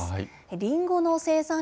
りんごの生産量